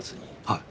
はい。